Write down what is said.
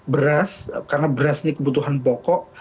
beras karena beras ini kebutuhan pokok